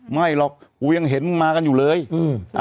แต่ท่าบ้านแล้วก็ญาติพี่น้องของสามีก็บอกว่า